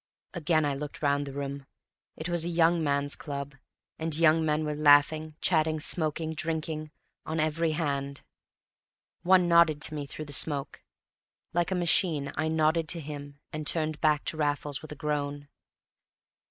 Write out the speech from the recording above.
Again I looked round the room; it was a young man's club, and young men were laughing, chatting, smoking, drinking, on every hand. One nodded to me through the smoke. Like a machine I nodded to him, and turned back to Raffles with a groan.